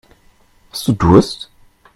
Hast du Durst?